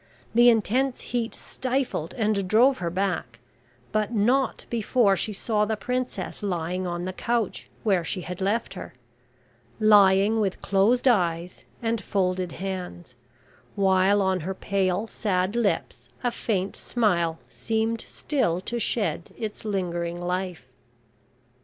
The intense heat stifled, and drove her back; but not before she saw the Princess lying on the couch, where she had left her... lying with closed eyes and folded hands; while on her pale, sad lips a faint smile seemed still to shed its lingering life.